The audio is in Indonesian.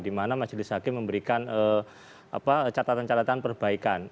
di mana majelis hakim memberikan catatan catatan perbaikan